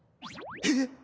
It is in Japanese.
えっ？